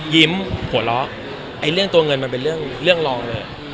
หัวเราะเรื่องตัวเงินมันเป็นเรื่องรองเลย